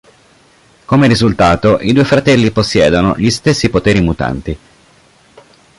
Come risultato i due fratelli possiedono gli stessi poteri mutanti.